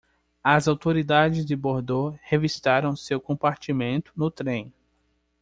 As autoridades de Bordeaux revistaram seu compartimento no trem.